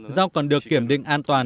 rau còn được kiểm định an toàn